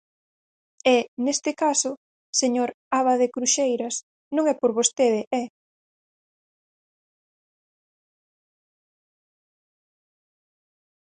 E, neste caso, señor Abade Cruxeiras, non é por vostede, ¡eh!